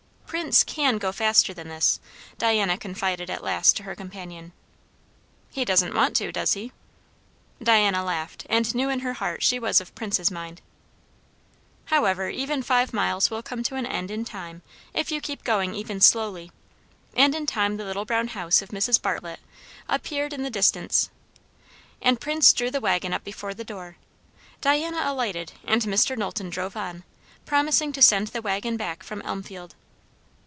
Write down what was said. "Prince can go faster than this," Diana confided at last to her companion. "He doesn't want to, does he?" Diana laughed, and knew in her heart she was of Prince's mind. However, even five miles will come to an end in time if you keep going even slowly; and in time the little brown house of Mrs. Bartlett appeared in the distance, and Prince drew the waggon up before the door. Diana alighted, and Mr. Knowlton drove on, promising to send the waggon back from Elmfield.